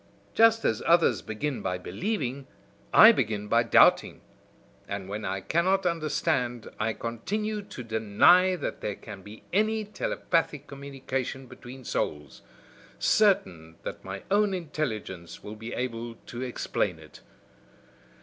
Just as others begin by believing, I begin by doubting; and when I cannot understand, I continue to deny that there can be any telepathic communication between souls; certain that my own intelligence will be able to explain it.